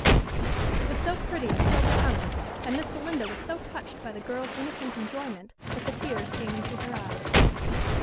It was so pretty and so becoming, and Miss Belinda was so touched by the girl's innocent enjoyment, that the tears came into her eyes.